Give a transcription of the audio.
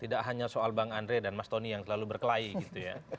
tidak hanya soal bang andre dan mas tony yang selalu berkelahi gitu ya